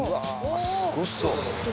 すごそう。